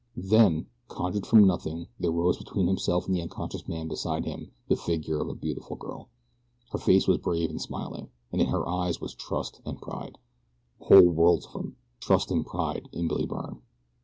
Then, conjured from nothing, there rose between himself and the unconscious man beside him the figure of a beautiful girl. Her face was brave and smiling, and in her eyes was trust and pride whole worlds of them. Trust and pride in Billy Byrne.